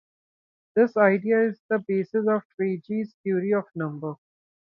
This idea is the basis of Frege's theory of number.